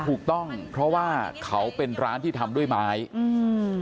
ถูกต้องเพราะว่าเขาเป็นร้านที่ทำด้วยไม้อืม